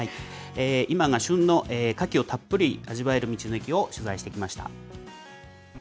今が旬のカキをたっぷり味わえる道の駅を取材してきました。